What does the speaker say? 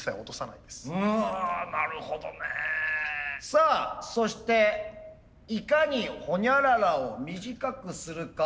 さあそしていかにほにゃららを短くするか。